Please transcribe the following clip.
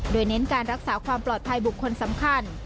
โดยเน้นการรักษาความปลอดภัยบุคคลสำคัญ